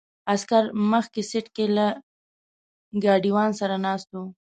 عسکر په مخکې سیټ کې له ګاډیوان سره ناست وو.